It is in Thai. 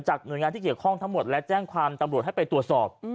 หน่วยงานที่เกี่ยวข้องทั้งหมดและแจ้งความตำรวจให้ไปตรวจสอบ